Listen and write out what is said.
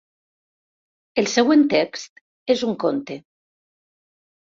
El següent text és un conte.